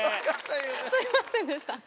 すいませんでした。